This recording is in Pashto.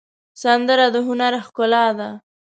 سندره د هنر ښکلا ده